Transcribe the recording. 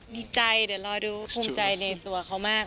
ดีใจเดี๋ยวรอดูภูมิใจในตัวเขามาก